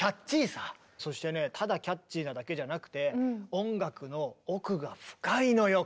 そしてねただキャッチーなだけじゃなくて音楽の奥が深いのよ